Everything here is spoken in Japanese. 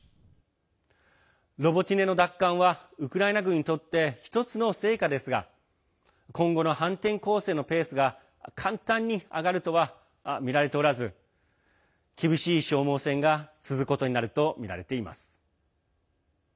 ロボティネの奪還はウクライナ軍にとって１つの成果ですが今後の反転攻勢のペースが簡単に上がるとはみられておらず厳しい消耗戦が続くことになるとみられています。